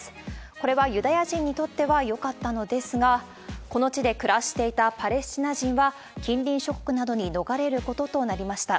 これはユダヤ人にとってはよかったのですが、この地で暮らしていたパレスチナ人は、近隣諸国などに逃れることとなりました。